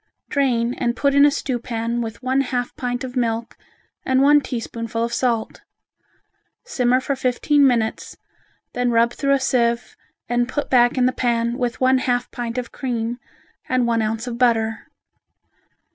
Drain and put in a stewpan with one half pint of milk and one teaspoonful of salt. Simmer for fifteen minutes, then rub through a sieve and put back in the pan with one half pint of cream and one ounce of butter.